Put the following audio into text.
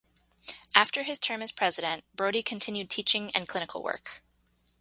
After his term as president, Brodie continued teaching and clinical work.